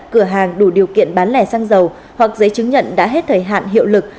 cửa hàng đủ điều kiện bán lẻ xăng dầu hoặc giấy chứng nhận đã hết thời hạn hiệu lực